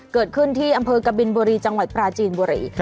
เกิดขึ้นที่อำเภอกบินบุรีจังหวัดปราจีนบุรี